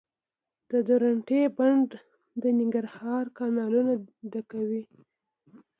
د درونټې بند د ننګرهار کانالونه ډکوي